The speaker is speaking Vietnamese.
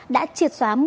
đã triệt xóa mọi người